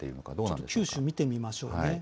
ちょっと九州、見てみましょうね。